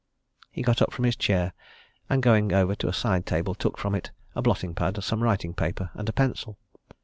He got up from his chair, and going over to a side table took from it a blotting pad, some writing paper and a pencil.